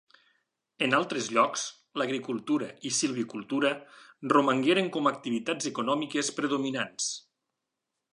En altres llocs, l'agricultura i silvicultura romangueren com a activitats econòmiques predominants.